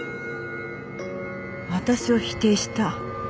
私を否定した。